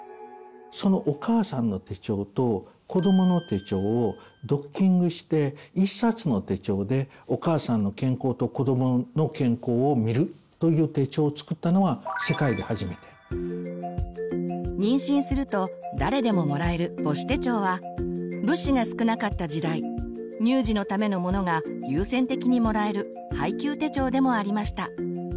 そのお母さんの手帳と子どもの手帳をドッキングして１冊の手帳でお母さんの健康と子どもの健康を見るという手帳を作ったのが世界で初めて。妊娠すると誰でももらえる母子手帳は物資が少なかった時代乳児のためのものが優先的にもらえる配給手帳でもありました。